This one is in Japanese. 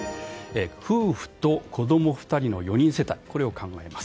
夫婦と子供２人の４人世帯を考えます。